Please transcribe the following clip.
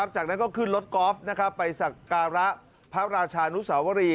จากนั้นก็ขึ้นรถกอล์ฟไปสักการะพระราชานุสาวรี